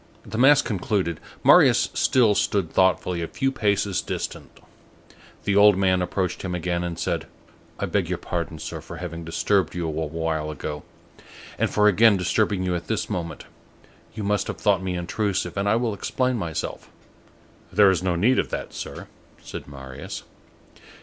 The mass concluded, Marius still stood thoughtfully a few paces distant; the old man approached him again and said:— "I beg your pardon, sir, for having disturbed you a while ago, and for again disturbing you at this moment; you must have thought me intrusive, and I will explain myself." "There is no need of that, Sir," said Marius.